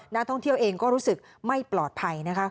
นักท่องเที่ยวเองก็รู้สึกไม่ปลอดภัยนะคะ